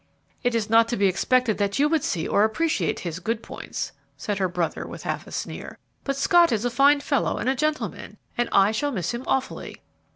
"It is not to be expected that you would see or appreciate his good points," said her brother, with half a sneer; "but Scott is a fine fellow and a gentleman, and I shall miss him awfully."